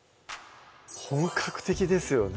本格的ですよね